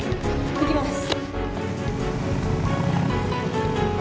いきます。